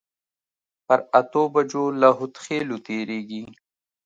پر اتو بجو له هودخېلو تېرېږي.